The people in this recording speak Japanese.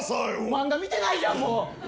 漫画見てないやんもう。